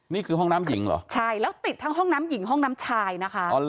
นี่คือห้องน้ำหญิงเหรอใช่แล้วติดทั้งห้องน้ำหญิงห้องน้ำชายนะคะ